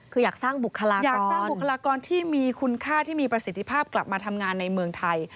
คืออยากสร้างบุคลาอยากสร้างบุคลากรที่มีคุณค่าที่มีประสิทธิภาพกลับมาทำงานในเมืองไทย